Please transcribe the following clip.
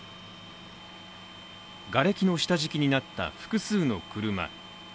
がれきの下敷きになった複数の車。